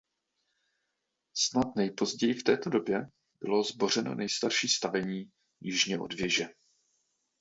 Snad nejpozději v této době bylo zbořeno nejstarší stavení jižně od věže.